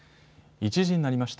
１時になりました。